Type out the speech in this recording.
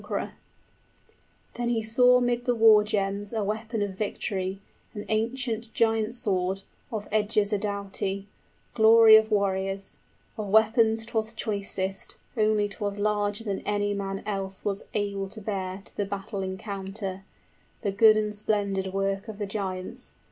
{Beowulf grasps a giant sword,} Then he saw mid the war gems a weapon of victory, An ancient giant sword, of edges a doughty, Glory of warriors: of weapons 'twas choicest, Only 'twas larger than any man else was 5 Able to bear to the battle encounter, The good and splendid work of the giants.